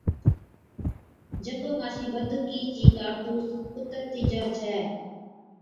جڪو مانڇي بندُوقِي چي ڪارتُوس ڪُترتِي جا ڇَي۔